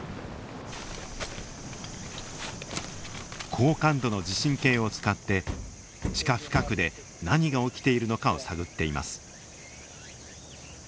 高感度の地震計を使って地下深くで何が起きているのかを探っています。